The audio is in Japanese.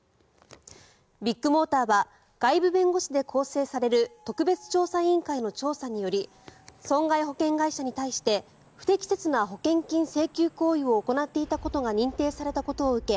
ビッグモーターは外部弁護士で構成される特別調査委員会の調査により損害保険会社に対して不適切な保険金請求行為を行っていたことが認定されたことを受け